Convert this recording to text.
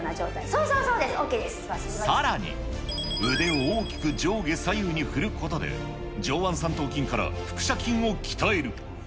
そうそうそう、そうです、ＯＫでさらに、腕を大きく上下左右に振ることで、上腕三頭筋から腹斜筋を鍛える。